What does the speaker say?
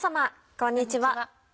こんにちは。